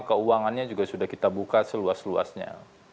keuangannya juga sudah kita buka seluas luasnya